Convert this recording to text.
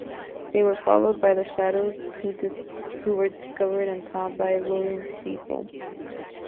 They were followed by the Shadows, who were discovered and taught by Lorien's people.